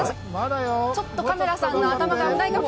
ちょっとカメラさんが頭が危ないかも。